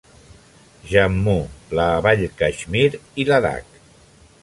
Jammu, la vall Caixmir i Ladakh.